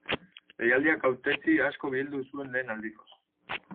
Deialdiak hautetsi asko bildu zuen lehen aldikoz.